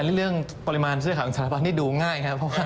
อันนี้เรื่องปริมาณซื้อขายของสถาบันดูง่ายครับ